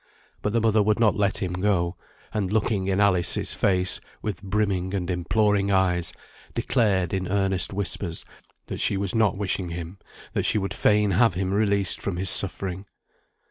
But the mother would not let him go, and looking in Alice's face with brimming and imploring eyes, declared in earnest whispers, that she was not wishing him, that she would fain have him released from his suffering.